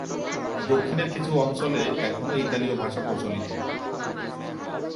দক্ষিণের কিছু অঞ্চলে এখনও ইতালীয় ভাষা প্রচলিত।